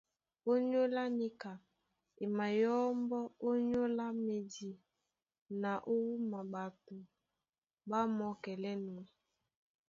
Ónyólá níka, e mayɔ́mbɔ́ ónyólá médi na ó wúma ɓato ɓá mɔ́kɛlɛ́nɔ̄.